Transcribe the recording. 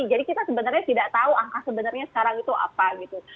jadi kita sebenarnya tidak tahu angka sebenarnya sekarang itu apa gitu